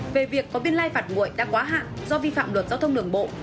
về việc có biên lai phạt nguội đã quá hạn do vi phạm luật giao thông đường bộ